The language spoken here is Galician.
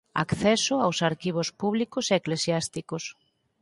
Acceso aos arquivos públicos e eclesiásticos.